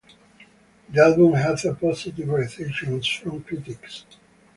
The album had a positive reception from critics.